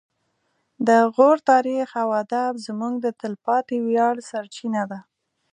د غور تاریخ او ادب زموږ د تلپاتې ویاړ سرچینه ده